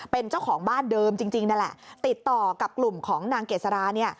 เป็นเจ้าของบ้านเดิมจริงนั่นแหละติดต่อกับกลุ่มของนางเกษราเนี่ย